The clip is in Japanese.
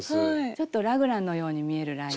ちょっとラグランのように見えるラインで。